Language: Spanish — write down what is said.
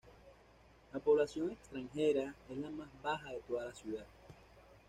La población extranjera es la más baja de toda la ciudad.